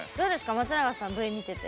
松永さんＶ見てて。